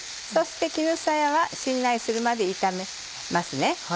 そして絹さやはしんなりするまで炒めますね。